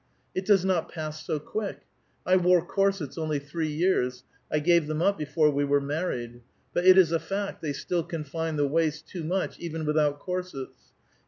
" It does not pass so quick! I wore corsets only three years ; I gave them up before we were married. But it is a fact they still confine the waist too much even without corsets.